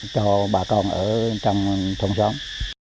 cho bà con ở trong thông xóm